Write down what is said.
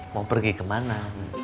mau pergi kemana